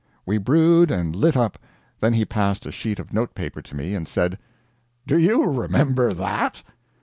We brewed and lit up; then he passed a sheet of note paper to me and said "Do you remember that?"